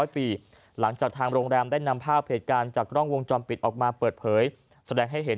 หลังจากทางโรงแรมได้นำภาพเหตุการณ์จากกล้องวงจรปิดออกมาเปิดเผยแสดงให้เห็น